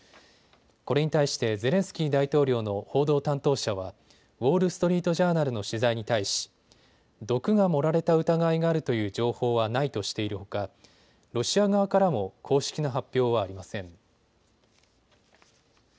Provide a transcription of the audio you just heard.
これに対してゼレンスキー大統領の報道担当者はウォール・ストリート・ジャーナルの取材に対し毒が盛られた疑いがあるという情報はないとしているほかロシア側からも公式な発表はありません。